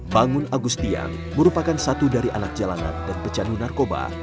bangun agustian merupakan satu dari anak jalanan dan pecandu narkoba